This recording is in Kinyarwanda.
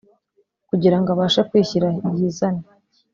kugirango abashe kwishyira yizane